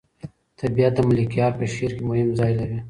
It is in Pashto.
طبیعت د ملکیار په شعر کې مهم ځای لري.